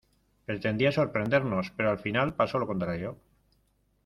Pretendía sorprendernos, pero al final pasó lo contrario.